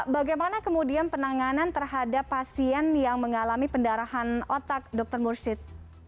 bagaimana kemudian penanganan terhadap pasien yang mengalami pendarahan otak dokter mursyid